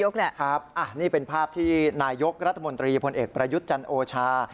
นี่เป็นภาพที่นายกรัฐมนตรีพลเอกประยุทธ์จันโอชา